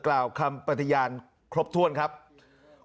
คุณสิริกัญญาบอกว่า๖๔เสียง